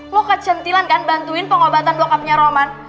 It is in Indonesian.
lo kecantilan kan bantuin pengobatan bokapnya roman